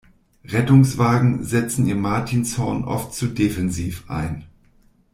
Rettungswagen setzen ihr Martinshorn oft zu defensiv ein.